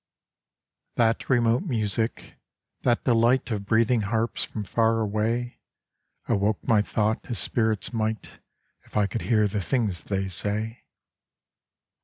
That remote music, that delight Of breathing harps from far away, Awoke my thought as spirits might If I could hear the things they say.